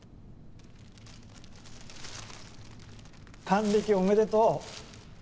還暦おめでとう。